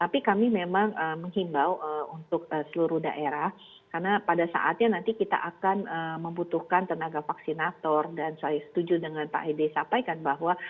tapi kami memang menghimbau untuk seluruh daerah karena pada saatnya nanti kita akan membutuhkan tenaga vaksinator dan saya setuju dengan pak edi sampaikan bahwa